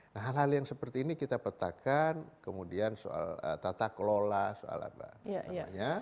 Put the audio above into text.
nah hal hal yang seperti ini kita petakan kemudian soal tata kelola soal apa namanya